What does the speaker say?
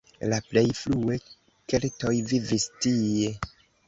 La plej frue keltoj vivis tie.